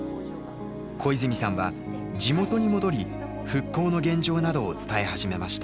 小泉さんは地元に戻り復興の現状などを伝え始めました。